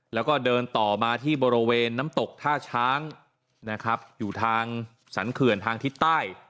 แล้วก็เดินต่อมาที่บริเวณน้ำตกท่าช้างนะครับอยู่ทางสรรเขื่อนทางทิศใต้